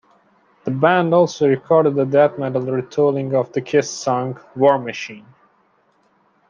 The band also recorded a death-metal retooling of the Kiss song "War Machine".